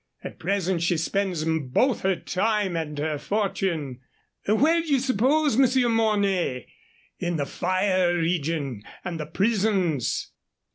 At present she spends both her time and her fortune where d'ye suppose, Monsieur Mornay? In the fire region and the prisons.